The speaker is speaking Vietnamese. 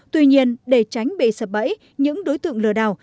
tuy nhiên để tránh bị sập bẫy những đối tượng lừa đảo